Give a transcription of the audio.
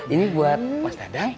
ini buat mas dadang